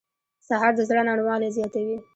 سهار د زړه نرموالی زیاتوي.